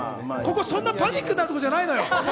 ここ、そんなにパニックになるところじゃないのよ。